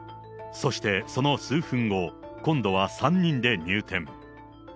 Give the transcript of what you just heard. そしてその数分後、今度は３人で入店。